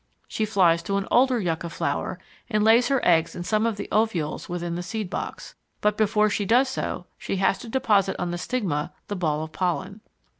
She flies to an older Yucca flower and lays her eggs in some of the ovules within the seed box, but before she does so she has to deposit on the stigma the ball of pollen.